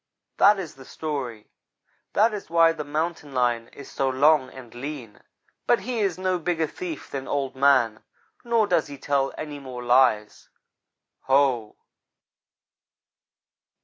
"That is the story that is why the Mountain lion is so long and lean, but he is no bigger thief than Old man, nor does he tell any more lies. Ho!"